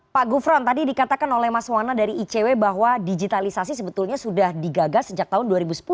pak gufron tadi dikatakan oleh mas wana dari icw bahwa digitalisasi sebetulnya sudah digagas sejak tahun dua ribu sepuluh